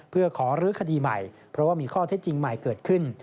เพื่อขอรื้อคดีใหม่เพราะว่ามีข้อเท็จจริงใหม่เกิดขึ้น